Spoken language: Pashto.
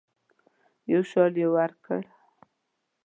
یو شال یې ورکړ.